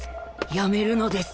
やめるのです